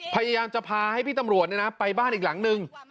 พยายามจะพาให้พี่ตำรวจไปบ้านอีกหลังนึง